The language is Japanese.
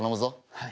はい。